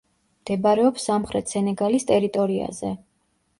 მდებარეობს სამხრეთ სენეგალის ტერიტორიაზე.